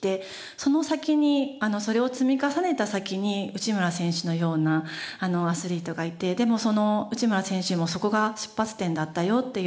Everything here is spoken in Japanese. その先にそれを積み重ねた先に内村選手のようなアスリートがいてでもその内村選手もそこが出発点だったよっていう。